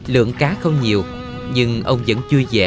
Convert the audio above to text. lượng cá không nhiều nhưng ông vẫn chui dễ